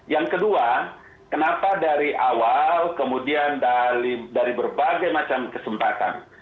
yang kedua kenapa dari awal kemudian dari berbagai macam kesempatan